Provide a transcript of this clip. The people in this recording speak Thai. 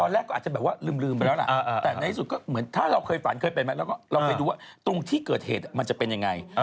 แรกก็อาจจะแบบว่าลืมไปแล้วล่ะแต่ในที่สุดก็เหมือนถ้าเราเคยฝันเคยเป็นไหมแล้วก็เราไปดูว่าตรงที่เกิดเหตุมันจะเป็นยังไง